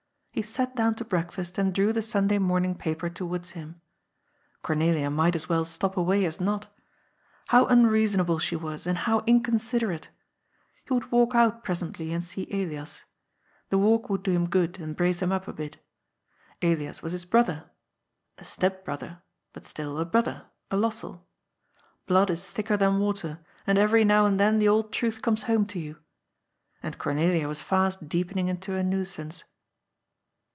He sat down to breakfast and drew the Sunday morning paper towards him. Cornelia might as well stop away as not. How unreasonable she was, and how inconsiderate ! He would walk out presently and see Elias. The walk would do him good and brace him up a bit. Elias was his brother — a step brother, but still a brother, a Lossell. Blood is thicker than water, and eyery now and then the old truth comes home to you. And Cornelia was fast deepening into a nuisance.